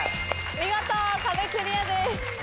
見事壁クリアです。